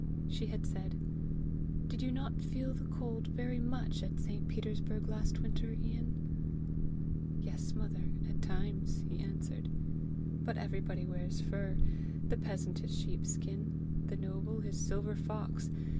She had said "Did you not feel the cold very much at St. Petersburg last winter, Ian?" "Yes, mother, at times," he answered. "But everybody wears fur; the peasant his sheep skin, the noble his silver fox.